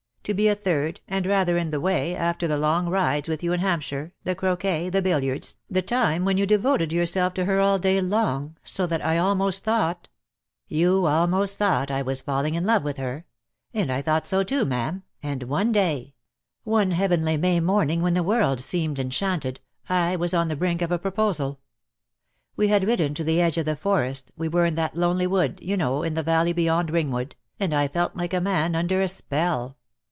To be a third, and rather in the way, after the long rides with you in Hampshhe, the croquet, the billiards, the time when you devoted yourself to her all day long, so that I almost thought " i I go DEAD LOVE HAS CHAINS. "You almost thought I was falHng in love with her — and I thought so too, ma'am, and one day^ one heavenly May morning when the world seemed enchanted— I was on the brink of a pro posal. We had ridden to the edge of the Forest, we were in that lonely wood, you know, in the valley beyond Ringwood, and I felt like a man under a spell.